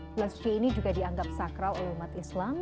bulan suci ini juga dianggap sakral oleh umat islam